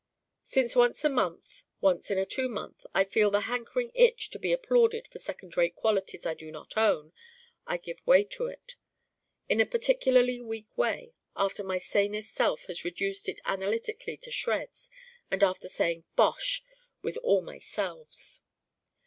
Still once in a month, once in a two month, I feel the hankering itch to be applauded for second rate qualities I do not own, and I give way to it: in a particularly Weak way, after my sanest self has reduced it analytically to shreds, and after saying bosh! with all my selves.